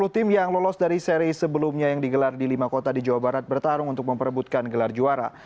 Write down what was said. sepuluh tim yang lolos dari seri sebelumnya yang digelar di lima kota di jawa barat bertarung untuk memperebutkan gelar juara